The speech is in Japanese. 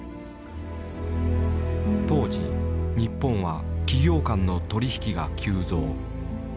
当時日本は企業間の取り引きが急増。